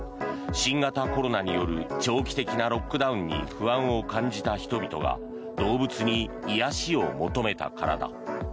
新型コロナによる長期的なロックダウンに不安を感じた人々が動物に癒やしを求めたからだ。